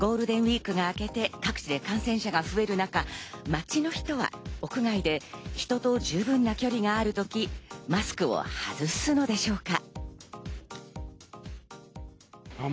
ゴールデンウイークが明けて各地で感染者が増える中、街の人は屋外で人と十分な距離があるときマスクを外すのでしょうか？